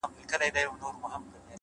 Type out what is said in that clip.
نیک چلند تل بېرته راګرځي!